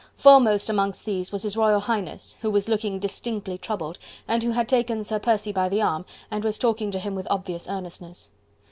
Foremost amongst these was His Royal Highness, who was looking distinctly troubled, and who had taken Sir Percy by the arm, and was talking to him with obvious earnestness.